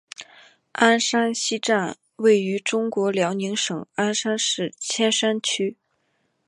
鞍山西站位于中国辽宁省鞍山市千山区。